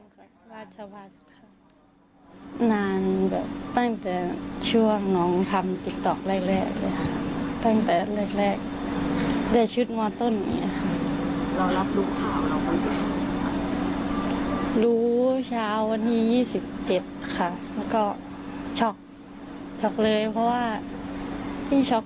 ปรานิทานปีนี้ของหนูคือได้เจอน้องตัวจริง